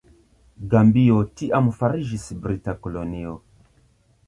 Gambio tiam fariĝis brita kolonio.